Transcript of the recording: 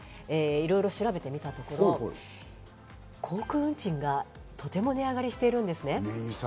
いろいろ調べてみたところ、航空運賃がとても値上がりしているんですね。